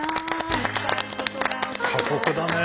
過酷だね。